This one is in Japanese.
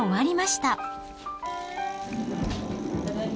ただいま。